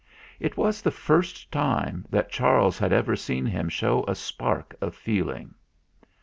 It was the first time that Charles had ever seen him show a spark of feeling.